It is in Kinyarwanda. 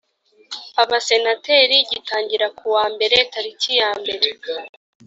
abasenateri gitangira ku wa mbere tariki yambere